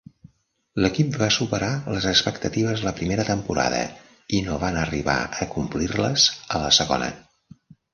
L'equip va superar les expectatives a la primera temporada i no van arribar a complir-les a la segona.